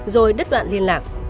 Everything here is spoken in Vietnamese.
rồi đứt đoạn liên lạc